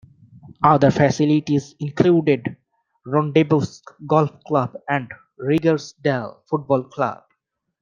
Other facilities include Rondebosch Golf Club and Rygersdal Football Club.